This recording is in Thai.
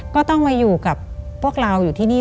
ก็ต้องมาอยู่กับพวกเราอยู่ที่นี่